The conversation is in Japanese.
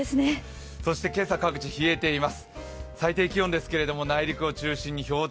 そして今朝、各地、冷えています。